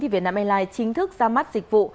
vietnam airlines chính thức ra mắt dịch vụ